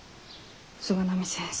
菅波先生。